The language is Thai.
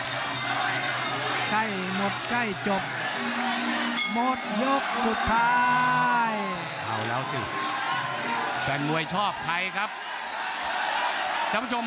ดูใกล้จบใกล้หมดยกนิดเดียวนิดเดียวจะออกใครนะครับคุณผู้ชม